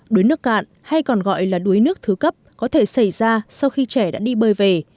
đuối nước cạn hay còn gọi là đuối nước thứ cấp có thể xảy ra sau khi trẻ đã đi bơi về